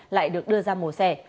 lại được đưa ra mổ xe